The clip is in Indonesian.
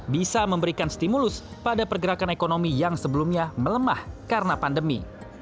bisa memberikan stimulus pada pergerakan ekonomi yang sebelumnya melemah karena pandemi